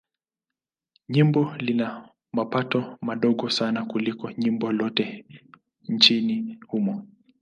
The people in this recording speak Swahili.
Jimbo lina mapato madogo sana kuliko jimbo lolote nchini humo.